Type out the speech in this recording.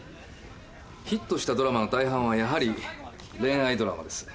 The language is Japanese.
ヒットしたドラマの大半はやはり恋愛ドラマです。